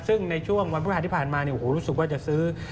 ซึ่งในช่วงวันพฤหัสที่ผ่านมารู้สึกว่าจะซื้อ